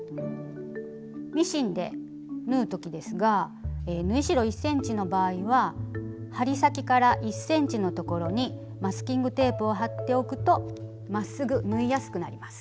ミシンで縫うときですが縫い代１ｃｍの場合は針先から１ｃｍのところにマスキングテープを貼っておくとまっすぐ縫いやすくなります。